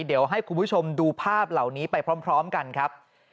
เดี๋ยวให้คุณผู้ชมดูภาพเหล่านี้ไปพร้อมกันครับ